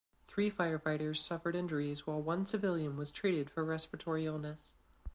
Three firefighters suffered injuries while one civilian was treated for respiratory illness.